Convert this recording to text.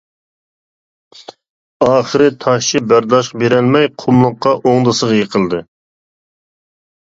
ئاخىرى تاشچى بەرداشلىق بېرەلمەي، قۇملۇققا ئوڭدىسىغا يىقىلدى.